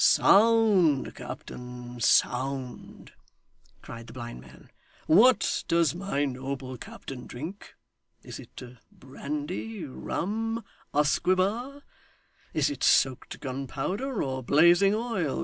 'Sound, captain, sound!' cried the blind man; 'what does my noble captain drink is it brandy, rum, usquebaugh? Is it soaked gunpowder, or blazing oil?